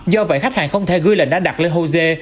do vậy khách hàng không thể gư lệnh đặt lên hosea